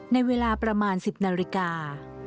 ในเวลาประมาณ๑๐นาฬิกา